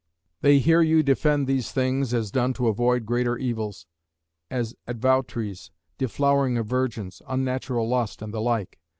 They hear you defend these things, as done to avoid greater evils; as advoutries, deflowering of virgins, unnatural lust, and the like.